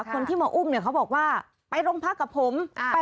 คนที่มาอุ้มเนี่ยเขาบอกว่าไปโรงพักกับผม